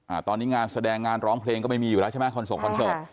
อ่าตอนนี้งานแสดงงานร้องเพลงก็ไม่มีอยู่แล้วใช่ไหมคอนส่งคอนเสิร์ต